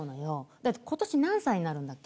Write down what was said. だって今年何歳になるんだっけ？